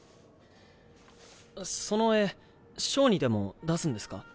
その絵賞にでも出すんですか？